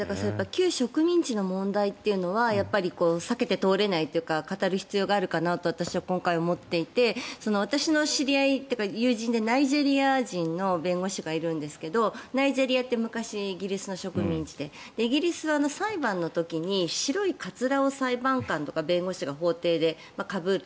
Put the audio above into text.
旧植民地の問題というのは避けて通れないというか語る必要があるかなと私は今回、思っていて私の知り合いというか友人でナイジェリア人の弁護士がいるんですがナイジェリアって昔イギリスの植民地でイギリスは裁判の時に白いかつらを裁判官とか弁護士が法廷でかぶる。